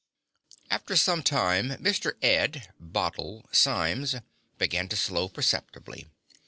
After some time, Mr. Ed (Bottle) Symes began to slow perceptibly.